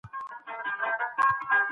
پانی پت چیرته دی؟